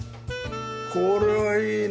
これはいいな。